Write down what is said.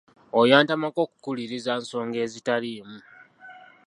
Oyo yantamako kukuliriza nsonga ezitaliimu.